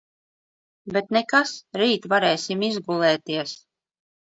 Bet nekas, rīt varēsim izgulēties.